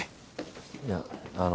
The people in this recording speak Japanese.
いやあの。